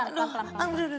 aduh tante pelan